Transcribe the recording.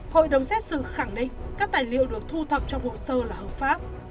hội đồng xét xử khẳng định các tài liệu được thu thập trong hồ sơ là hợp pháp